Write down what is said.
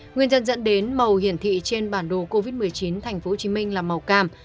nguyên nhân dẫn đến màu hiển thị trên bản đồ covid một mươi chín tp hcm là màu cam